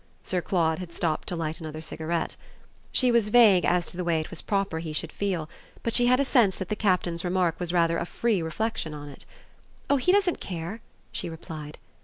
Sir Claude had stopped to light another cigarette. She was vague as to the way it was proper he should feel; but she had a sense that the Captain's remark was rather a free reflexion on it. "Oh he doesn't care!" she replied.